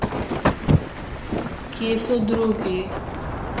Kje so drugi?